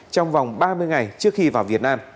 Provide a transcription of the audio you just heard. trong vòng ba mươi ngày trước khi vào việt nam